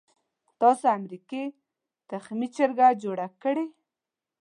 تاسو امریکې تخمي چرګه جوړه کړې.